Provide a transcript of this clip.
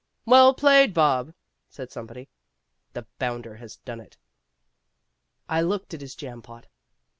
"Well played, Bob," said somebody. The bounder has done it. I looked at his jam pot.